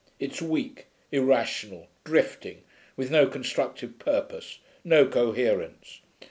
It's weak, irrational, drifting, with no constructive purpose, no coherence.